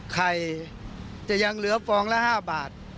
ไข่จะยังเหลือฟองละ๕บาท